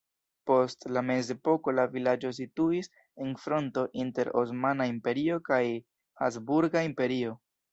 Post la mezepoko la vilaĝo situis en fronto inter Osmana Imperio kaj Habsburga Imperio.